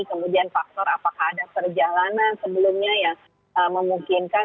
kemudian faktor apakah ada perjalanan sebelumnya yang memungkinkan